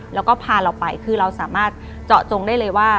แล้วก็พาเราไปคือเราสามารถเจาะจงได้เลยว่า